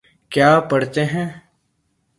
کیا پڑھتے ہیں